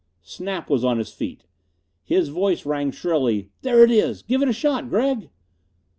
Snap was on his feet. His voice rang shrilly, "There it is! Give it a shot, Gregg!"